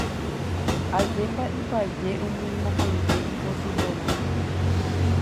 Ajépa ipaje umi mokõive yvoty porã